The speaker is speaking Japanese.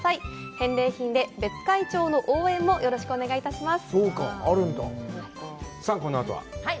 返礼品で、別海町の応援もよろしくお願いいたします。